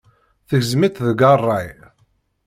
Tegzem-itt deg ṛṛay.